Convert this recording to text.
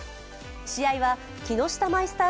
試合は木下マイスター